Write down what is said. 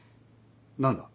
何だ？